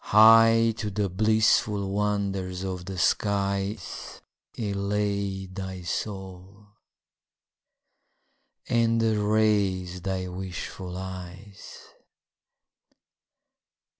High to the blissful wonders of the skies Elate thy soul, and raise thy wishful eyes.